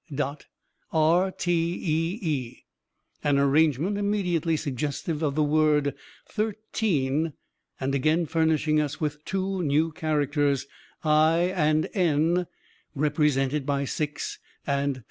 rtee, an arrangement immediately suggestive of the word 'thirteen,' and again furnishing us with two new characters, i and n, represented by 6 and *.